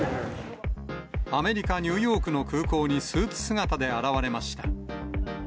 アメリカ・ニューヨークの空港にスーツ姿で現れました。